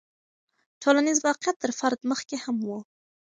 ټولنیز واقعیت تر فرد مخکې هم و.